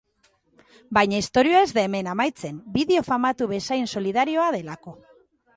Baina istorioa ez da hemen amaitzen, bideo famatu bezain solidarioa delako.